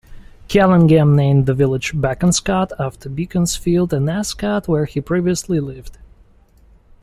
Callingham named the village 'Bekonscot' after Beaconsfield and Ascot where he previously lived.